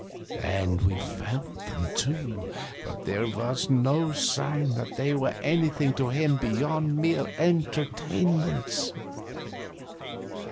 And we felt them, too, but there was no sign that they were anything to him beyond mere entertainments.